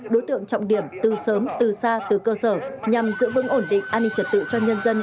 đối tượng trọng điểm từ sớm từ xa từ cơ sở nhằm giữ vững ổn định an ninh trật tự cho nhân dân